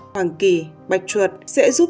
hoàng kỳ bạch chuột sẽ giúp